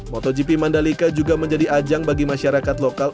motogp mandalika juga menjadi ajang bagi masyarakat lokal